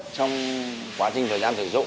trong quá trình thời gian sử dụng